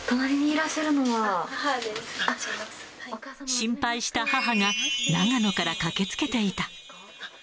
心配した母が、長野から駆けつけていた。